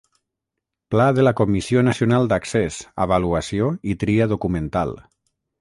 Ple de la Comissió Nacional d'Accés, Avaluació i Tria documental.